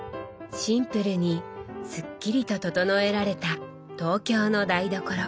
シンプルにすっきりと整えられた東京の台所。